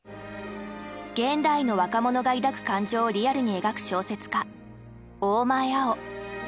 現代の若者が抱く感情をリアルに描く小説家大前粟生。